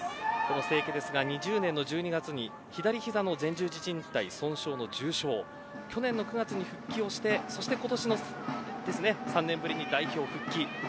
清家は２０年の１２月に左膝の前十字じん帯損傷の重傷去年の９月に復帰をしてそして今年の３年ぶりに代表復帰